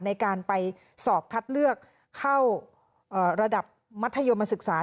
ในการไปสอบคัดเลือกเข้าระดับมัธยมศึกษา